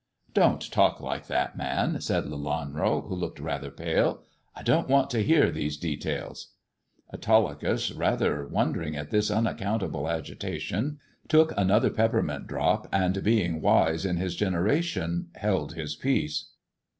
" Don't talk like that, man," said Lelanro, who looked rather pale. " I don't want to hear these details." Autolycus, rather wondering at this unaccountable agita tion, took another peppermint drop, and, being wise in his generation, held his peace.